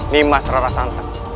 nimas rara santak